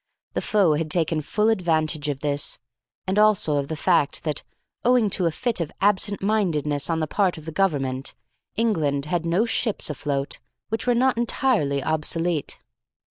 The foe had taken full advantage of this, and also of the fact that, owing to a fit of absent mindedness on the part of the Government, England had no ships afloat which were not entirely obsolete.